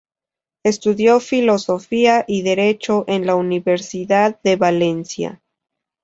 Estudió Filosofía y Derecho en la Universidad de Valencia.